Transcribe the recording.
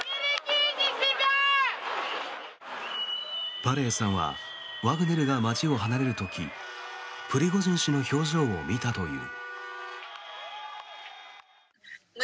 パレイさんはワグネルが街を離れる時プリゴジン氏の表情を見たという。